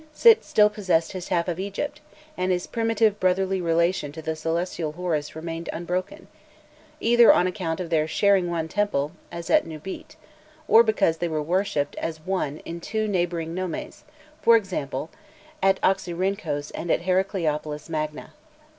Sit still possessed his half of Egypt, and his primitive brotherly relation to the celestial Horus remained unbroken, either 'on account of their sharing one temple, as at Nûbît, or because they were worshipped as one in two neighbouring nomes, as, for example, at Oxyrrhynchos and at Heracleopolis Magna.